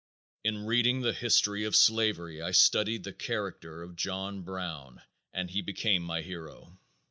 In reading the history of slavery I studied the character of John Brown and he became my hero.